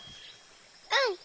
うん！